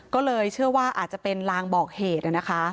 ก็เลยเชื่อว่าอาจจะเป็นลางบอกเหตุนะคะ